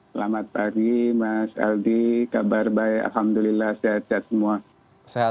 selamat pagi mas aldi kabar baik alhamdulillah sehat sehat semua